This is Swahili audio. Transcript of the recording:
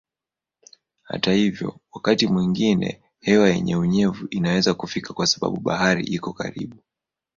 Hata hivyo wakati mwingine hewa yenye unyevu inaweza kufika kwa sababu bahari iko karibu.